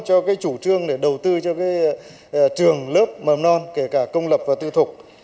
cho cái chủ trương để đầu tư cho cái trường lớp mầm non kể cả công lập và tư thục